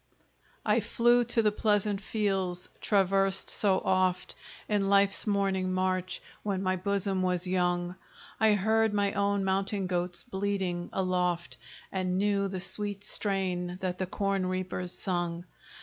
I flew to the pleasant fields traversed so oft In life's morning march, when my bosom was young; I heard my own mountain goats bleating aloft, And knew the sweet strain that the corn reapers sung.